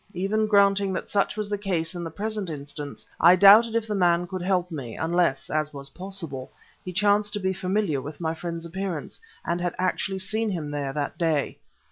Even granting that such was the case in the present instance, I doubted if the man could help me, unless, as was possible, he chanced to be familiar with my friend's appearance, and had actually seen him there that day.